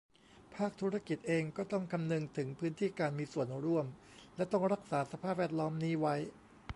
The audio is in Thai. ภาคธุรกิจเองก็ต้องคำนึงถึงพื้นที่การมีส่วนร่วม และ ต้องรักษาสภาพแวดล้อมนี้ไว้